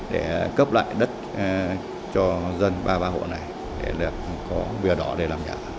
để cấp lại đất cho dân ba mươi ba hộ này để có vừa đỏ để làm nhà